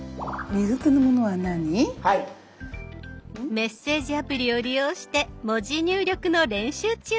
メッセージアプリを利用して文字入力の練習中。